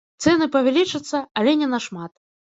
Цэны павялічацца, але не на шмат.